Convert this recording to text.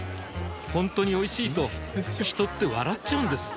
ほんとにおいしいと人って笑っちゃうんです